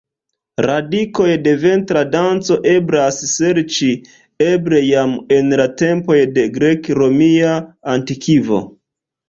Radikoj de ventra danco eblas serĉi eble jam en la tempoj de grek-romia antikvo.